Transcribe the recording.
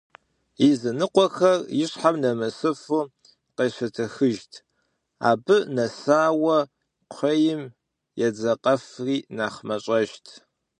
Иныкъуэхэр ищхьэм нэмысыфу къещэтэхыжт, абы нэсауэ кхъуейм едзакъэфри нэхъ мащӀэжт.